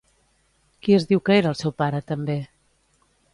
Qui es diu que era el seu pare també?